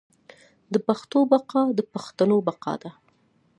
د پښتو بقا د پښتنو بقا ده.